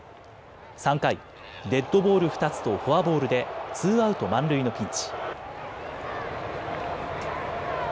３回、デッドボール２つとフォアボールでツーアウト満塁のピンチ。